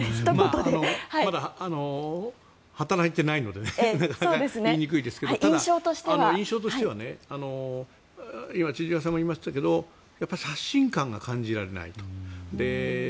まだ働いていないので言いにくいですが印象としては今、千々岩さんも言いましたがやっぱり刷新感が感じられないと。